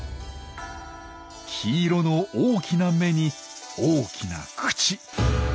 黄色の大きな目に大きな口。